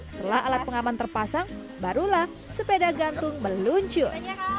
setelah alat pengaman terpasang barulah sepeda gantung meluncur